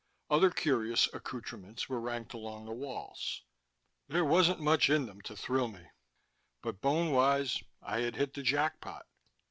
Other curious accoutrements were ranked along the walls. There wasn't much in them to thrill me. But bone wise I had hit the jackpot.